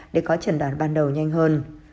để có trần đoàn ban đầu nhanh hơn